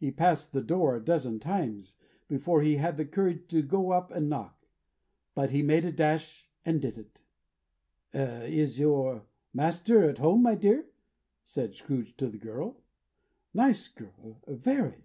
He passed the door a dozen times, before he had the courage to go up and knock. But he made a dash, and did it. "Is your master at home, my dear?" said Scrooge to the girl. Nice girl! Very.